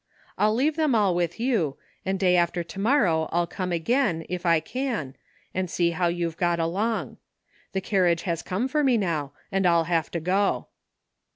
I'll leave them all with you, and day after to morrow I'll come again, if I can, and see how you've got along. The carriage has come for me now, and I'll have to go."